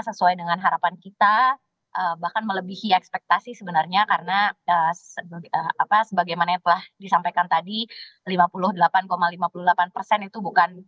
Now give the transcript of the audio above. saya ingin menyambutkan kesempatan kepada anda yang sudah menggunakan pariwisata marine for sc centra